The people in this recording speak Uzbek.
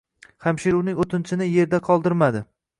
Hamshira uning oʻtinchini yerda qoldirmadi